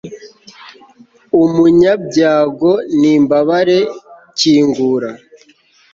umunyabyago n'imbabare, kingura